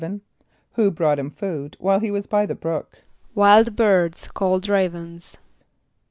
= Who brought him food while he was by the brook? =Wild birds called ravens.